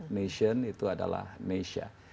nation itu adalah nesia